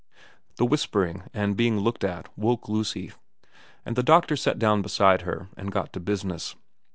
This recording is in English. ' The whispering and being looked at woke Lucy, and the doctor sat down beside her and got to business.